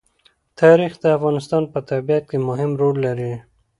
تاریخ د افغانستان په طبیعت کې مهم رول لري.